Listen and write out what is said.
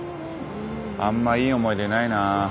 あんまいい思い出ないな。